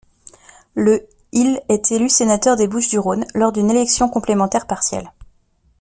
Le il est élu sénateur des Bouches-du-Rhône, lors d'une élection complémentaire partielle.